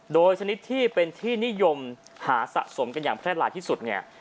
โดยชนิดที่เป็นที่นิยมหาสะสมกันอย่างแพร่หลายที่สุดเนี่ย